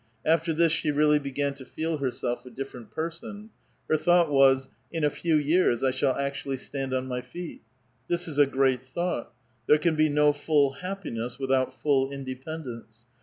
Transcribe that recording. After this she really began to feel herself a different person. Her thou^iht was, " In a few years I shall actuallv stand on mv feet." This is a great thought. There can be no full happiness without full independence.